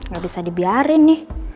gak bisa dibiarin nih